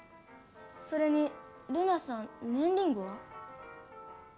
それにルナさんねんリングは？